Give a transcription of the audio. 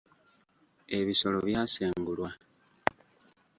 Ebisolo byasengulwa.